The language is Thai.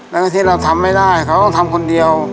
แล้วที่เราทำไม่ได้เขาก็ทำคนเดียว